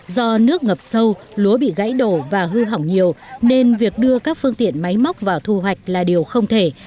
do nước ngập sâu lúa bị gãy đổ và hư hỏng nhiều nên việc đưa các phương tiện máy móc vào thu hoạch là điều không thể